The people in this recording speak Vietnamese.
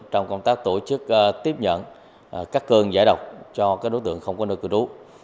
trong công tác tổ chức tiếp nhận cắt cơn giải độc cho đối tượng không có nơi cư đu